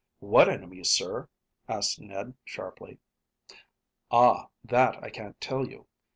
"What enemies, sir?" asked Ned sharply. "Ah, that I can't tell you.